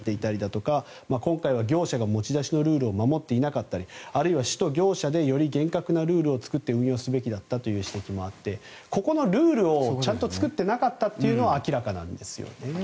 今回は業者が持ち出しルールを守っていなかったりあるいは、市と業者でより厳格なルールを作って運用するべきだったという指摘もあって、ここのルールをちゃんと作っていなかったのは明らかなんですね。